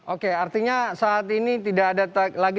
oke artinya saat ini tidak ada lagi